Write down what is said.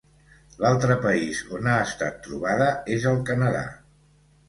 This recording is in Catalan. L'altre país on ha estat trobada és el Canadà.